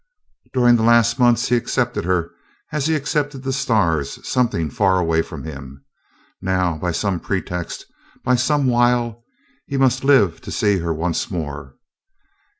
During the last months he accepted her as he accepted the stars something far away from him. Now, by some pretext, by some wile, he must live to see her once more.